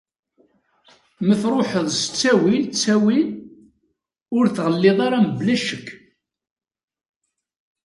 M truḥeḍ s ttawil ttawil, ur tɣelliḍ ara mebla ccekk.